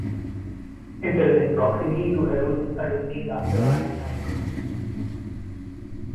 It is in proximity to Helotes and was named after Anne Frank.